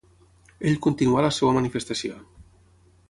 Ell continuà la seva manifestació.